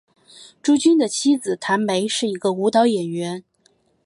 朱军的妻子谭梅是一个舞蹈演员。